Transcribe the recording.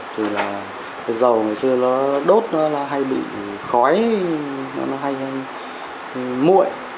thì là cái dầu ngày xưa nó đốt nó hay bị khói nó hay muộn